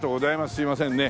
すいませんね。